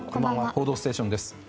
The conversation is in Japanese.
「報道ステーション」です。